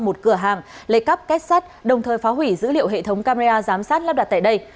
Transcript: một cửa hàng lấy cắp kết sắt đồng thời phá hủy dữ liệu hệ thống camera giám sát lắp đặt tại đây